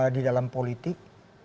di dalam politik